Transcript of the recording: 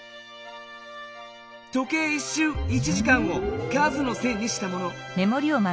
時計１しゅう１時間を数の線にしたもの。